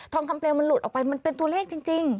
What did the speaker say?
องคำเปลวมันหลุดออกไปมันเป็นตัวเลขจริง